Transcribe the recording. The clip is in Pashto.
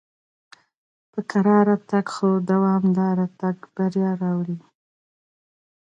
په کراره تګ خو دوامدار تګ بریا راوړي.